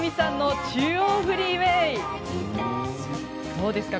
どうですか？